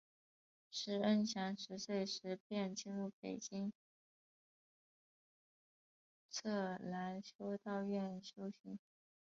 师恩祥十岁时便进入北京栅栏修道院修行。